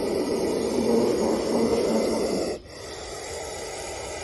এ বড় সহজ সমস্যার কথা নয়।